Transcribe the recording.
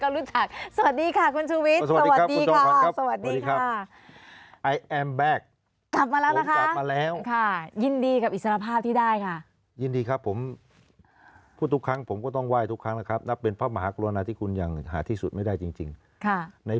รับโทษในครั้งนี้